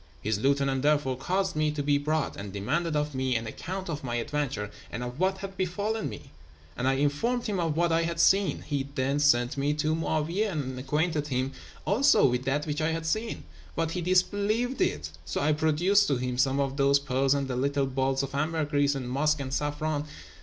His lieutenant therefore caused me to be brought, and demanded of me an account of my adventure, and of what had befallen me; and I informed him of what I had seen. He then sent me to Mo'áwiyeh, and I acquainted him also with that which I had seen, but he disbelieved it; so I produced to him some of those pearls and the little balls of ambergris and musk and saffron.